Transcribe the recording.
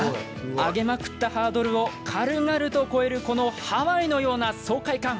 上げまくったハードルを軽々と越えるこのハワイのような爽快感。